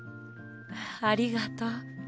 ありがとう。